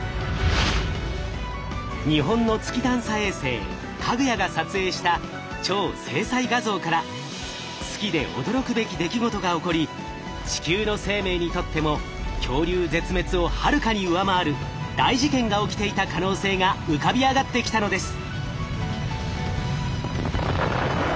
日本の月探査衛星「かぐや」が撮影した超精細画像から月で驚くべき出来事が起こり地球の生命にとっても恐竜絶滅をはるかに上回る大事件が起きていた可能性が浮かび上がってきたのです。